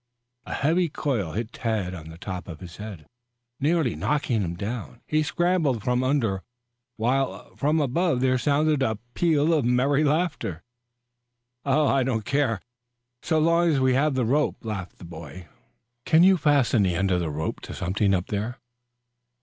A heavy coil hit Tad on the top of his head, nearly knocking him down. He scrambled from under while from above there sounded a peal of merry laughter. "I don't care, so long as we have the rope," laughed the boy. "Can you fasten the end of the rope to something up there?"